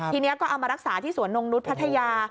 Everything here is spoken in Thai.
ทีนี้ก็เอามารักษาที่สวนนงนุษย์พัทยา